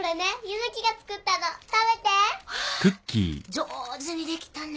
上手にできたね。